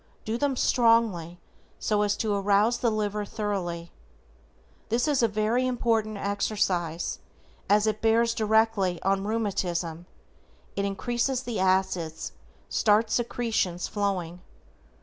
Do them strongly so as to arouse the liver thoroughly. This is a very important exercise as it bears directly on RHEUMATISM, it releases the acids, starts secretions flowing.